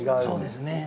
そうですね。